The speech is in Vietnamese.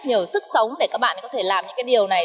nhiều sức sống để các bạn có thể làm những cái điều này